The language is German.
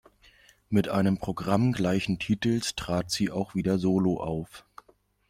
Mit einem Programm gleichen Titels trat sie auch wieder solo auf.